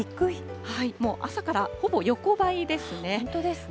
もう、朝からほぼ横ばいですね。